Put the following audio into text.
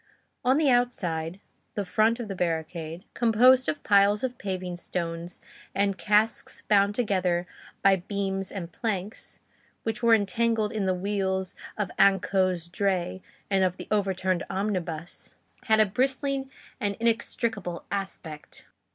On the outside, the front of the barricade, composed of piles of paving stones and casks bound together by beams and planks, which were entangled in the wheels of Anceau's dray and of the overturned omnibus, had a bristling and inextricable aspect.